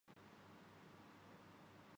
جانے کس پر ہو مہرباں قاتل